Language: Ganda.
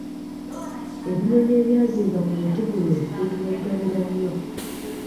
Ebinyonyi ebyazimba ku muti guno bituwogganira nnyo.